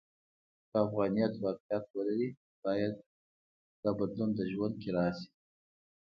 که افغانیت واقعیت ولري، باید دا بدلون د ژوند کې راشي.